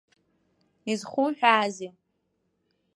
Изхуҳәаазеи?